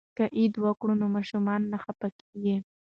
که عیدي ورکړو نو ماشومان نه خفه کیږي.